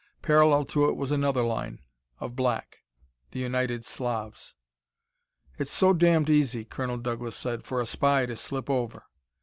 Parallel to it was another line, of black the United Slavs. "It's so damned easy," Colonel Douglas said, "for a spy to slip over."